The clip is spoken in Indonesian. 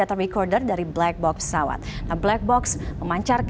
antaraalia vision selanjutnya gabung mscdeal chaos